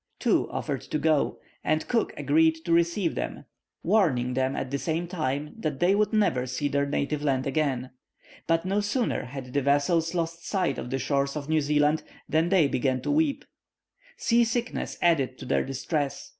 Two offered to go, and Cook agreed to receive them, warning them at the same time that they would never see their native land again. But no sooner had the vessels lost sight of the shores of New Zealand than they began to weep. Sea sickness added to their distress.